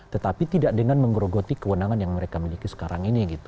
tetapi tidak dengan menggerogoti kewenangan yang mereka miliki sekarang ini